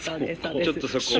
ちょっとそこを。